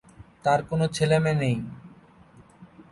তার কোনো ছেলেমেয়ে নেই।